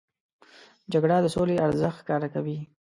جګړه د سولې ارزښت ښکاره کوي